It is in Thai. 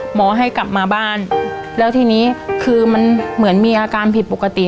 หมอให้กลับมาบ้านแล้วทีนี้คือมันเหมือนมีอาการผิดปกติ